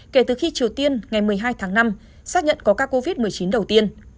kể từ khi triều tiên ngày một mươi hai tháng năm xác nhận có ca covid một mươi chín đầu tiên